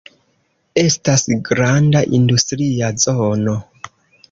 Estas granda industria zono.